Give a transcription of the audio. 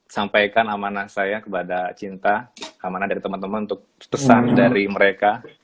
sampaikan amanah saya kepada cinta amanah dari teman teman untuk pesan dari mereka